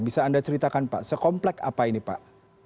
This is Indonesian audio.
bisa anda ceritakan pak sekomplek apa ini pak